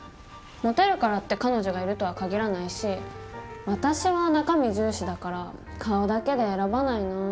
モテるからって彼女がいるとは限らないし私は中身重視だから顔だけで選ばないな。